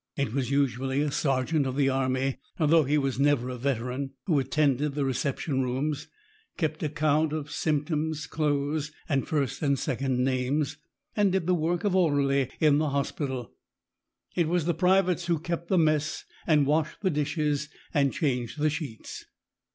It was usually a sergeant of the army though he was never a veteran who attended the reception rooms, kept account of symptoms, clothes, and first and second names, and did the work of orderly in the hospital. It was the privates who kept the mess and washed the dishes and changed the sheets.